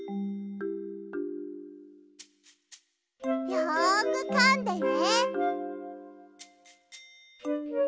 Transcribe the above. よくかんでね。